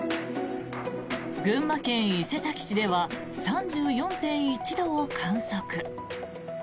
群馬県伊勢崎市では３４．１度を観測。